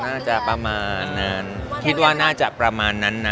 น่าจะประมาณนานคิดว่าน่าจะประมาณนั้นนะ